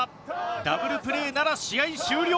ダブルプレーなら試合終了。